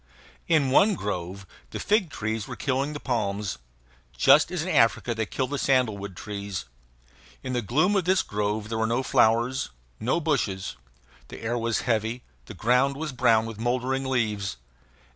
In one grove the fig trees were killing the palms, just as in Africa they kill the sandalwood trees. In the gloom of this grove there were no flowers, no bushes; the air was heavy; the ground was brown with mouldering leaves.